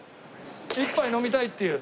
１杯飲みたいっていう。